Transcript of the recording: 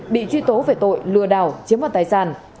bị truy tố về tội lừa đảo chiếm đoạt tài sản